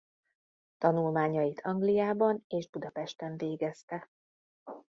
Tanulmányait Angliában és Budapesten végezte.